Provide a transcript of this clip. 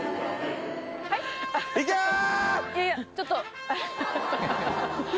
いやいやちょっと。